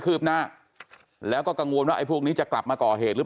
ืบหน้าแล้วก็กังวลว่าไอ้พวกนี้จะกลับมาก่อเหตุหรือ